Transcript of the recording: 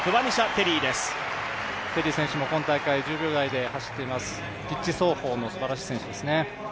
テリー選手も、今大会１０秒台で走っています、ピッチ走法のすばらしい選手ですね。